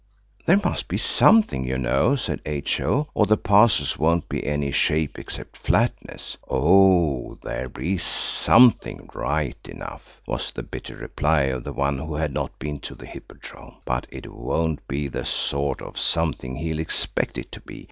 "There must be something, you know," said H.O., "or the parcels won't be any shape except flatness." "Oh, there'll be something right enough," was the bitter reply of the one who had not been to the Hippodrome, "but it won't be the sort of something he'll expect it to be.